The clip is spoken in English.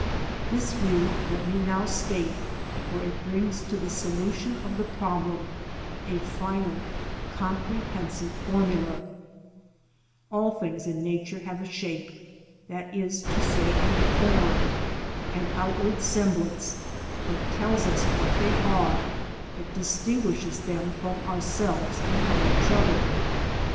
This view let me now state, for it brings to the solution of the problem a final, comprehensive formula : All things in nature have a shape, that is to say, a form, an out ward semblance, that tells us what they are, that distinguishes them from ourselves and from each other.